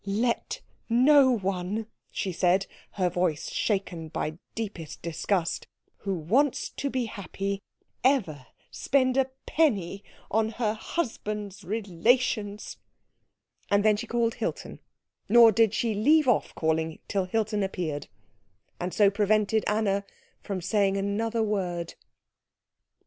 "Let no one," she said, her voice shaken by deepest disgust, "who wants to be happy, ever spend a penny on her husband's relations." And then she called Hilton; nor did she leave off calling till Hilton appeared, and so prevented Anna from saying another word.